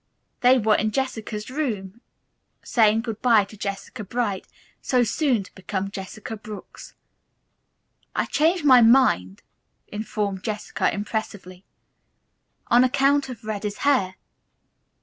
They were in Jessica's room saying good bye to Jessica Bright, so soon to become Jessica Brooks. "I changed my mind," informed Jessica impressively, "on account of Reddy's hair."